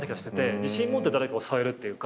自信持って誰かを誘えるっていうか。